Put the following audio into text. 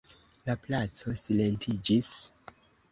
La placo silentiĝis.